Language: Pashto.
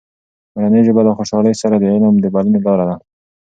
مورنۍ ژبه له خوشحالۍ سره د علم د بلنې لاره ده.